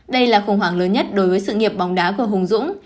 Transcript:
đây là khủng hoảng lớn nhất đối với sự nghiệp bóng đá của hùng dũng